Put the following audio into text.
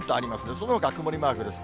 そのほか曇りマークです。